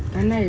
cái này là